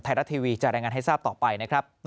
ไทยรัฐทีวีจะรายงานให้ทราบต่อไปนะครับ